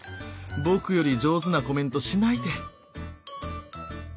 僕より上手なコメントしないで。